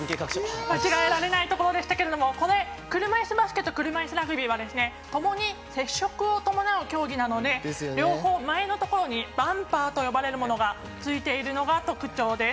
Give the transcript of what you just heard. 間違えられないところでしたが車いすバスケと車いすラグビーはともに接触を伴う競技なので両方、前のところにバンパーと呼ばれるものがついているのが特徴です。